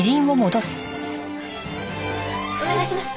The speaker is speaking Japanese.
お願いします。